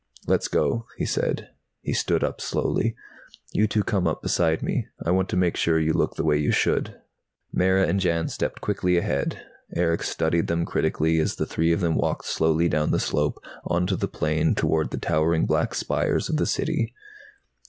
"Let's go," he said. He stood up slowly. "You two come up beside me. I want to make sure you look the way you should." Mara and Jan stepped quickly ahead. Erick studied them critically as the three of them walked slowly down the slope, onto the plain, toward the towering black spires of the City.